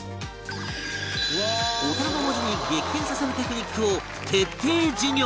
大人の文字に激変させるテクニックを徹底授業！